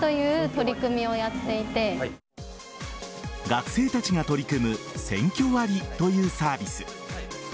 学生たちが取り組む選挙割というサービス。